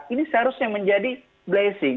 ini seharusnya menjadi blessing